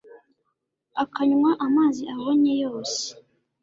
akanywa amazi abonye yose